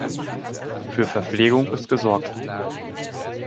Für Verpflegung ist gesorgt.